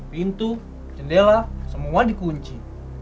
pintu jendela semua dikunci